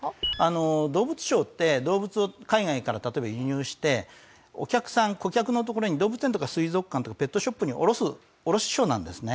動物商って動物を海外から例えば輸入してお客さん顧客の所に動物園とか水族館とかペットショップに卸す卸商なんですね。